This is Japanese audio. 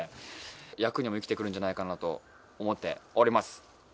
役にも生きてくるんじゃないかなと思っております。